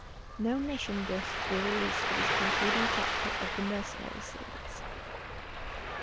No mission disks were released for this concluding chapter of the "Mercenary" series.